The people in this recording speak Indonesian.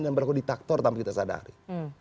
dan beraku di taktor tanpa kita sadari